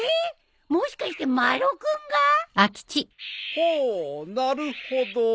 もしかして丸尾君が？ほおなるほど。